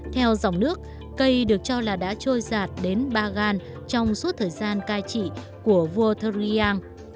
theo dòng nước cây được cho là đã trôi giảt đã trôi giảt đến ba gan trong suốt thời gian cai trị của vua tha rhiang